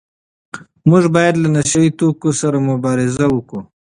موږ باید له نشه يي توکو سره مبارزه وکړو.